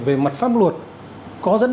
về mặt pháp luật có dẫn